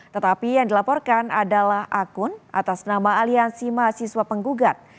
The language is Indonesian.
tetapi yang dilaporkan adalah akun atas nama aliansi mahasiswa penggugat